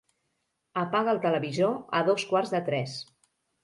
Apaga el televisor a dos quarts de tres.